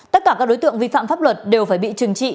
tất cả các đối tượng vi phạm pháp luật đều phải bị trừng trị